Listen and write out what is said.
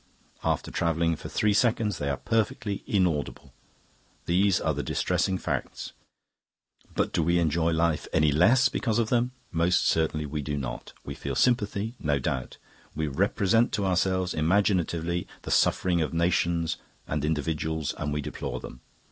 After travelling for three seconds they are perfectly inaudible. These are distressing facts; but do we enjoy life any the less because of them? Most certainly we do not. We feel sympathy, no doubt; we represent to ourselves imaginatively the sufferings of nations and individuals and we deplore them.